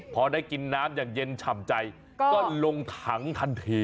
พอได้กินน้ำอย่างเย็นฉ่ำใจก็ลงถังทันที